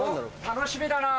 楽しみだなぁ。